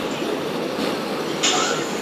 یک تنها مو تر نړۍ پوري راتله دي !.